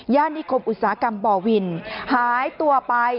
นิคมอุตสาหกรรมบ่อวินหายตัวไป